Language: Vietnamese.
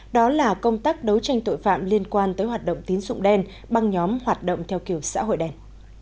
đó là công tác đấu tranh tội phạm liên quan tới hoạt động tín dụng đen băng nhóm hoạt động theo kiểu xã hội đen